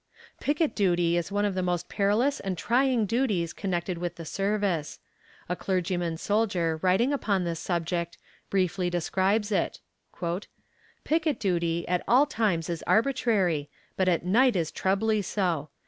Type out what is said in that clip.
Picket duty is one of the most perilous and trying duties connected with the service. A clergyman soldier writing upon this subject, briefly describes it: "Picket duty at all times is arbitrary, but at night it is trebly so.